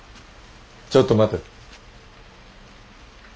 ちょっと待て。